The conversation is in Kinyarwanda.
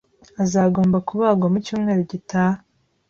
Azagomba kubagwa mu cyumweru gitaha